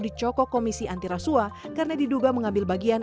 dicokok komisi anti rasuah karena diduga mengambil bagian